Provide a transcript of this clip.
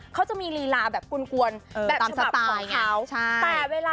เขาจะมีลีลาแบบกุล